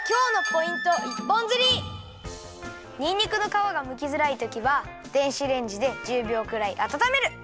ここでにんにくのかわがむきづらいときは電子レンジで１０びょうくらいあたためる！